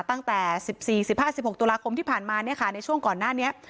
ตั้งแต่๑๔๑๕๑๖ตุลาคมที่ผ่านมาในช่วงก่อนหน้านี้